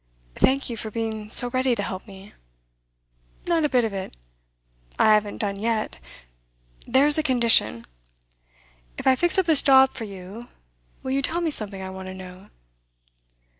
'Thank you for being so ready to help me.' 'Not a bit of it. I haven't done yet. There's a condition. If I fix up this job for you, will you tell me something I want to know?